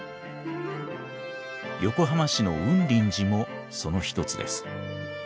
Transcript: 横浜市の雲林寺もその一つです。